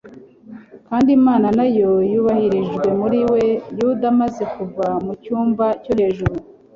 kandi Imana na yo yubahirijwe muri we."'Yuda amaze kuva mu cyunba cyo hejuru,